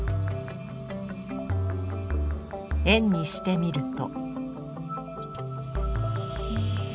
円にしてみると？